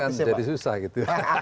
itu nanti kan jadi susah gitu